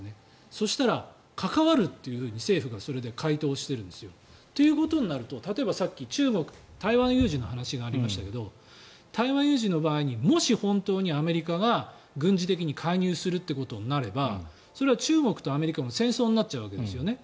そしたら、関わるというふうに政府が回答しているんですよ。ということになると例えばさっき中国の台湾有事の話がありましたけれど台湾有事の場合にもし本当にアメリカが軍事的に介入するとなればそれは中国とアメリカの戦争になっちゃうわけですよね。